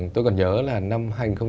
tôi còn nhớ là năm hai nghìn một mươi ba